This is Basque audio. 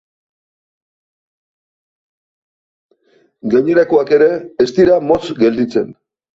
Gainerakoak ere ez dira motz gelditzen.